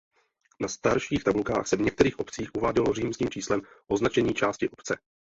Na starších tabulkách se v některých obcích uvádělo římským číslem označení části obce.